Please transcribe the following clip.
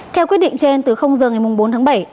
theo quyết định trên từ giờ ngày bốn tháng bảy